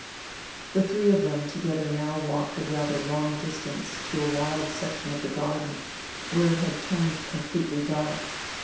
The three of them together now walked a rather long distance to a wild section of the garden, where it had turned completely dark.